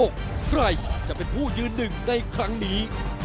ใครจะเป็นผู้ยืนหนึ่งในครั้งนี้